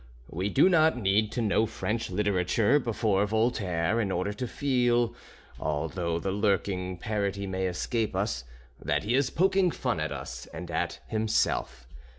We do not need to know French literature before Voltaire in order to feel, although the lurking parody may escape us, that he is poking fun at us and at himself.